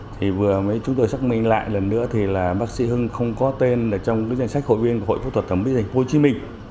thì vừa mới chúng tôi xác minh lại lần nữa thì là bác sĩ hưng không có tên là trong cái danh sách hội viên của hội phẫu thuật thẩm mỹ tp hcm